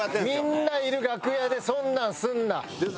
みんないる楽屋でそんなんすんな。ですよ。